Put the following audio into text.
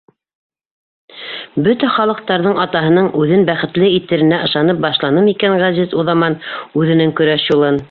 Бөтә халыҡтарҙың атаһының үҙен бәхетле итеренә ышанып башланымы икән Ғәзиз уҙаман үҙенең көрәш юлын?